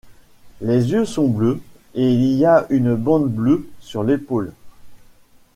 Les yeux sont bleus et il y a une bande bleue sur l'épaule.